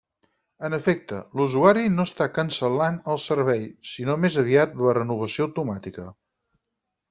En efecte, l'usuari no està cancel·lant el servei, sinó més aviat la renovació automàtica.